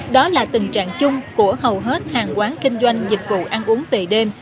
đó là tình trạng chung của hầu hết hàng quán kinh doanh dịch vụ ăn uống về đêm